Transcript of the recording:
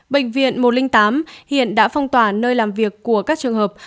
bệnh viện một trăm linh tám hiện đã phong tỏa nơi làm việc của các trường hợp